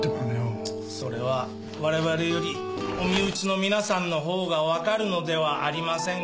それは我々よりお身内の皆さんのほうがわかるのではありませんか？